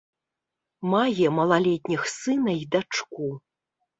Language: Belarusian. Мае малалетніх сына і дачку.